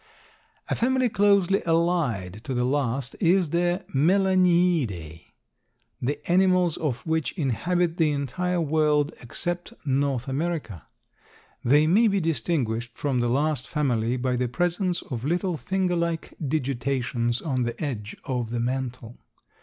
A family closely allied to the last is the Melaniidae, the animals of which inhabit the entire world, except North America. They may be distinguished from the last family by the presence of little finger like digitations on the edge of the mantle.